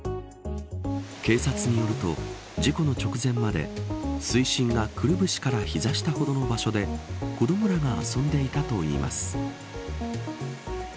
警察によると事故の直前まで水深がくるぶしから膝下ほどの場所で子どもらが遊んでいたといいます。